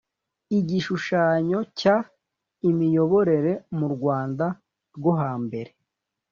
Igishushanyo cya imiyoborere mu rwanda rwo hambere